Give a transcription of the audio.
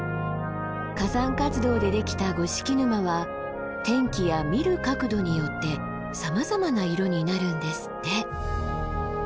火山活動でできた五色沼は天気や見る角度によってさまざまな色になるんですって。